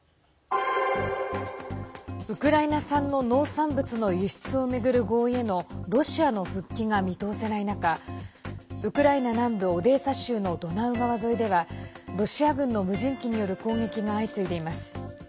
ウクライナ産の農産物の輸出を巡る合意へのロシアの復帰が見通せない中ウクライナ南部オデーサ州のドナウ川沿いではロシア軍の無人機による攻撃が相次いでいます。